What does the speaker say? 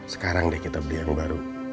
sekarang deh kita beli yang baru